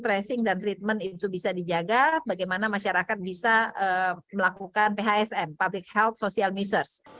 tracing dan treatment itu bisa dijaga bagaimana masyarakat bisa melakukan thsn public health social measures